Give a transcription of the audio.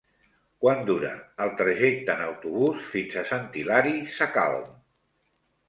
Quant dura el trajecte en autobús fins a Sant Hilari Sacalm?